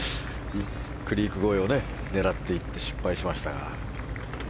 クリーク越えを狙っていって失敗しましたが。